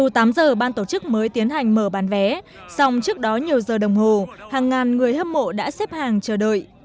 dù tám giờ ban tổ chức mới tiến hành mở bán vé song trước đó nhiều giờ đồng hồ hàng ngàn người hâm mộ đã xếp hàng chờ đợi